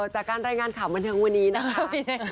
จากการรายงานข่าวบันเทิงวันนี้นะคะ